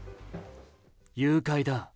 誘拐だ。